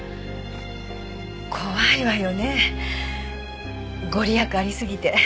怖いわよね御利益ありすぎて。